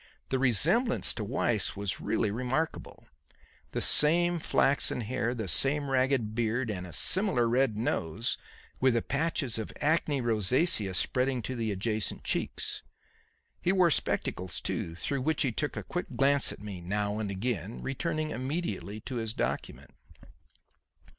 The resemblance to Weiss was really remarkable. The same flaxen hair, the same ragged beard and a similar red nose, with the patches of acne rosacea spreading to the adjacent cheeks. He wore spectacles, too, through which he took a quick glance at me now and again, returning immediately to his document.